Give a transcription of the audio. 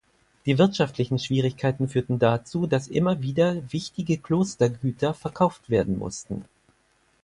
Die wirtschaftlichen Schwierigkeiten führten dazu, dass immer wieder wichtige Klostergüter verkauft werden mussten.